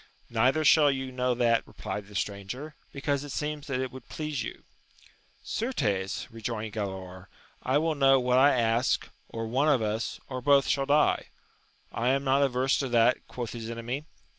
Neither shall you know that, replied the stranger, because it seems that it would please you. Certes, rejoined Galaor; I will know what I ask, or one of us, or both, shall die. I am not averse to that, quoth his enemy.